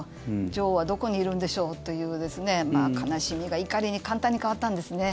女王はどこにいるんでしょうという悲しみが怒りに簡単に変わったんですね。